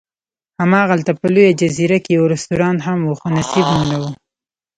هماغلته په لویه جزیره کې یو رستورانت هم و، خو نصیب مو نه و.